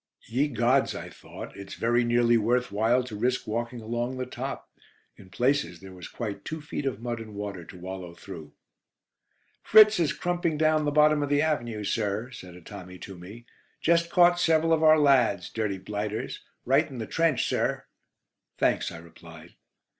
Ye Gods, I thought, it's very nearly worth while to risk walking along the top. In places there was quite two feet of mud and water to wallow through. "Fritz is crumping down the bottom of the Avenue, sir," said a Tommy to me; "just caught several of our lads dirty blighters: right in the trench, sir." "Thanks," I replied.